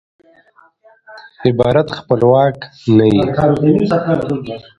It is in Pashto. عبارت خپلواک نه يي.